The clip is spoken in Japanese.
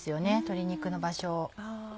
鶏肉の場所を。